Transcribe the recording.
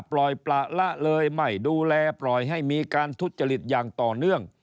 ปล่อยประละเลยไม่ดูแลปล่อยให้มีการทุจริตอย่างต่อเนื่อง